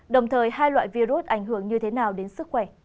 đồng thời hai loại virus ảnh hưởng như này